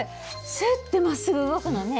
スッてまっすぐ動くのね。